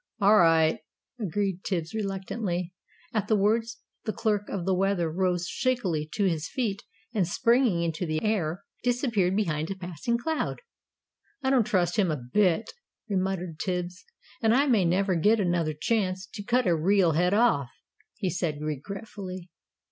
"All right," agreed Tibbs, reluctantly. At the words the Clerk of the Weather rose shakily to his feet, and, springing into the air, disappeared behind a passing cloud. "I don't trust him a bit!" muttered Tibbs. "And I may never get another chance to cut a real head off," he said, regretfully.